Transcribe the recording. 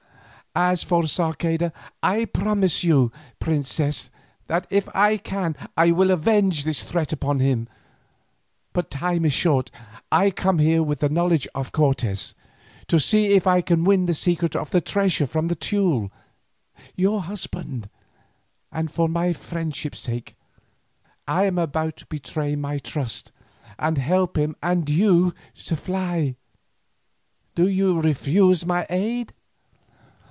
"As for Sarceda, I promise you, princess, that if I can I will avenge this threat upon him. But time is short, I am come here with the knowledge of Cortes, to see if I can win the secret of the treasure from Teule, your husband, and for my friendship's sake I am about to betray my trust and help him and you to fly. Do you refuse my aid?"